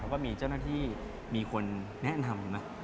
ก็มีเจ้าหน้าที่มีคนแนะนำนะ